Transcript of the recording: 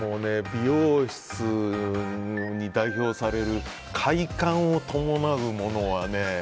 美容室に代表される快感を伴うものはね。